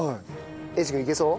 英二君いけそう？